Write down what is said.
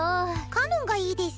かのんがいいデス。